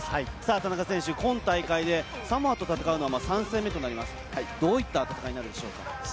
田中選手、今大会でサポート戦うのは３戦目となります、どういった戦いになるでしょうか？